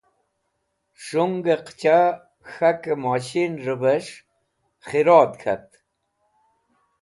Shungẽ qẽcha k̃hakẽ moshinrẽvẽs̃h khẽrod khat